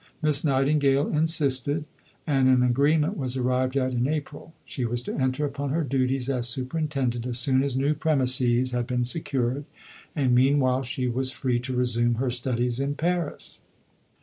Miss Nightingale insisted, and an agreement was arrived at in April. She was to enter upon her duties as superintendent as soon as new premises had been secured, and meanwhile she was free to resume her studies in Paris.